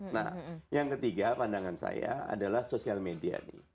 nah yang ketiga pandangan saya adalah sosial media nih